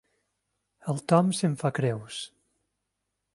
El Tom se'n fa creus.